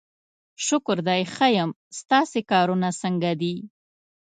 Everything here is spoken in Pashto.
شکر دی ښه یم، ستاسې کارونه څنګه دي؟